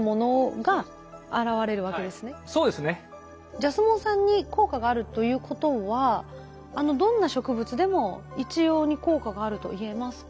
ジャスモン酸に効果があるということはどんな植物でも一様に効果があるといえますか？